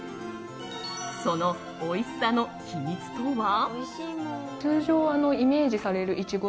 そのおいしさの秘密とは。